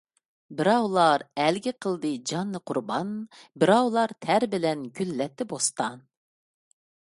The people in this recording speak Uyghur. بىراۋلار ئەلگە قىلدى جاننى قۇربان، بىراۋلار تەر بىلەن گۈللەتتى بوستان.